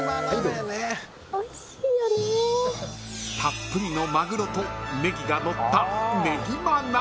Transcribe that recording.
［たっぷりのマグロとネギがのった］